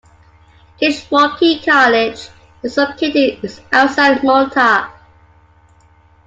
Kishwaukee College is located just outside Malta.